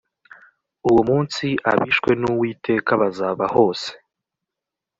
uwo munsi abishwe n uwiteka bazaba hose